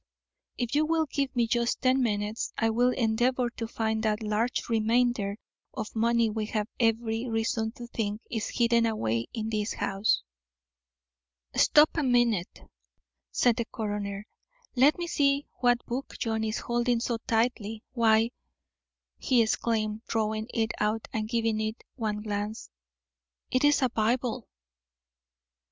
"If you will give me just ten minutes I will endeavour to find that large remainder of money we have every reason to think is hidden away in this house." "Stop a minute," said the coroner. "Let me see what book John is holding so tightly. Why," he exclaimed, drawing it out and giving it one glance, "it is a Bible."